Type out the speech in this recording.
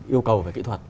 yêu cầu về kỹ thuật